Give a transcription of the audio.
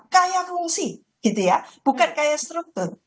kaya fungsi gitu ya bukan kaya struktur